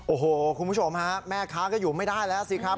โอ้โหคุณผู้ชมฮะแม่ค้าก็อยู่ไม่ได้แล้วสิครับ